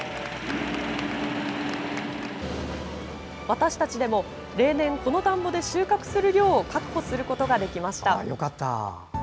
私たちでも、例年この田んぼで収穫する量を確保することができました。